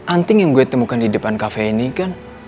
anting yang gue temukan di depan kafe ini kan